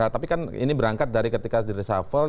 tapi kan ini berangkat dari ketika di reshuffle